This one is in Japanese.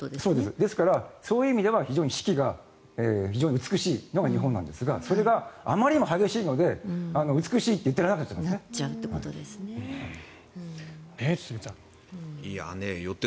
ですから、そういう意味では非常に四季が美しいのが日本なんですがそれがあまりにも激しいので美しいと言ってられなくなって。